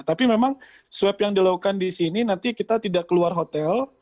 tapi memang swab yang dilakukan di sini nanti kita tidak keluar hotel